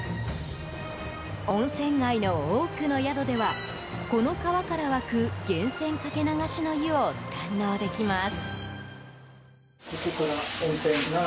温泉街の多くの宿ではこの川から湧く源泉かけ流しの湯を堪能できます。